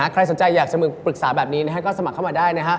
ใครสนใจอยากจะปรึกษาแบบนี้ก็สมัครเข้ามาได้นะฮะ